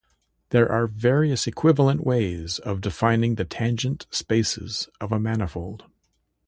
There are various equivalent ways of defining the tangent spaces of a manifold.